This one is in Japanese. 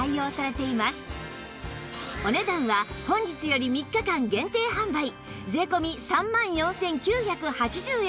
お値段は本日より３日間限定販売税込３万４９８０円